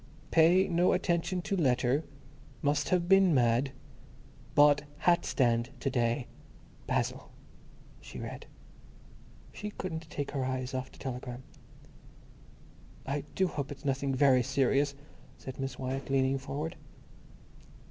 "Pay no attention to letter, must have been mad, bought hat stand to day—Basil," she read. She couldn't take her eyes off the telegram. "I do hope it's nothing very serious," said Miss Wyatt, leaning forward.